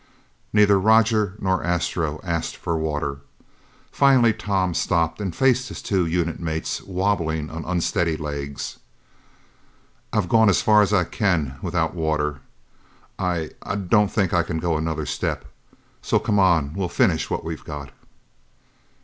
Neither Roger nor Astro asked for water. Finally Tom stopped and faced his two unit mates wobbling on unsteady legs. "I've gone as far as I can without water. I I don't think I can go another step. So come on, we'll finish what we've got."